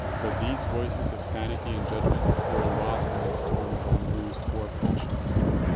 But these voices of sanity and judgment were lost in the storm of unloosed war passions.